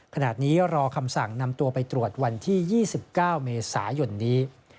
ขณะนี้รอคำสั่งนำตัวไปตรวจวันที่๒๙เมษายนนี้